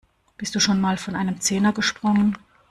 Bist du schon mal von einem Zehner gesprungen?